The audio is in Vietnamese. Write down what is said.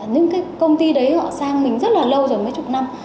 những công ty đấy họ sang mình rất lâu rồi mấy chục năm